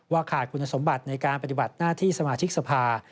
ขาดคุณสมบัติในการปฏิบัติหน้าที่สมาชิกสภา